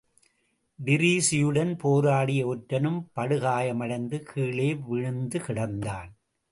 டிரீஸியுடன் போராடிய ஒற்றனும் படுகாயமடைந்து கீழே வீழ்ந்துகிடந்தான்.